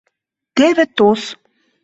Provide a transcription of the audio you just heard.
Теве тос...